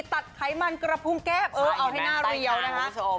๔ตัดไขมันกระภูมิแก้ปเออเอาให้หน้าระเยียวนะฮะ